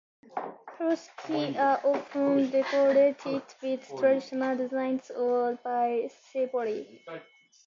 "Furoshiki" are often decorated with traditional designs or by shibori.